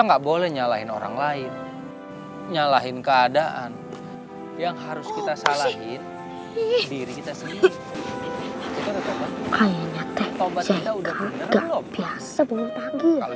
enggak boleh nyalahin orang lain nyalahin keadaan yang harus kita salahin diri kita sendiri kayaknya